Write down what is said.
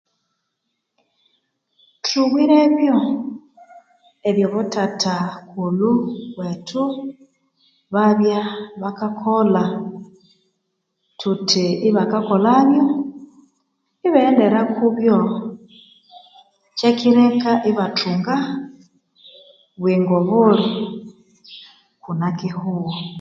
Thubwirebyo ebyo bathathakulhu wethu babya bakakolha. Thuthi, ibakakolhabyo, ibaghendera kubyo kyekireka ibathunga buyingo buli kunakihugho.